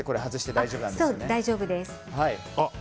大丈夫です。